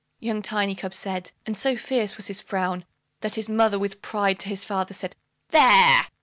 Young Tiny cub said, and so fierce was his frown, That his mother with pride to his father said, "There!